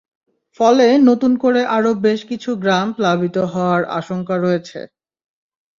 ফলে নতুন করে আরও বেশ কিছু গ্রাম প্লাবিত হওয়ার আশঙ্কা রয়েছে।